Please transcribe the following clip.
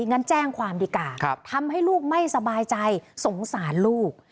งั้นแจ้งความดีกว่าทำให้ลูกไม่สบายใจสงสารลูก